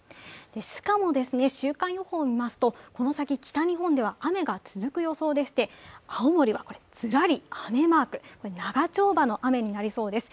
しかも、週間予報を見ますと、この先北日本では雨が続く予想でして、青森はずらり雨マーク、長丁場の雨になりそうです。